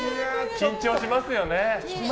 緊張しますよね。